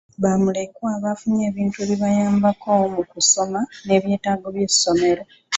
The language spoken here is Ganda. Bamulekwa baafunye ebintu ebibayambako mu kusoma n'ebyetaago by'essomero.